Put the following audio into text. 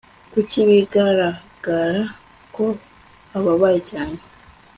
Kuki bigaragara ko ababaye cyane